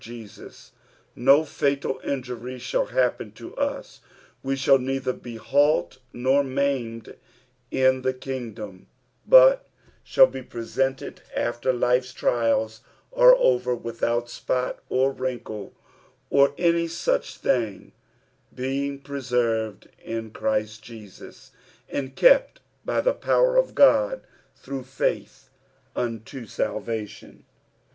Tesus ; no fatal injury shall happen to us, we shall neither be halt nor maimed in the kingdom, but shall be presented after life's trials are over without spot or wrinkle or any such thing, being preserved in Christ Jesus, and kept by the power of God through futh unto salvation.